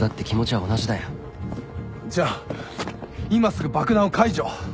じゃあ今すぐ爆弾を解除。